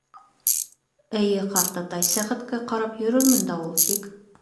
— Эйе, ҡартатай, сәғәткә ҡарап йөрөрмөн дә ул. Тик...